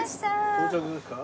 到着ですか？